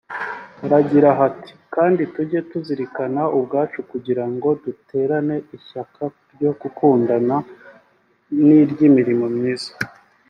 Haragira hati “…kandi tujye tuzirikana ubwacu kugira ngo duterane ishyaka ryo gukundana n’iry’imirimo myiza”